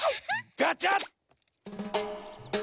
ガチャッ！